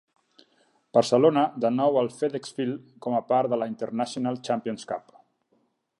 Barcelona de nou al FedExField com a part de la International Champions Cup.